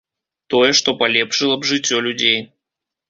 Тое, што палепшыла б жыццё людзей.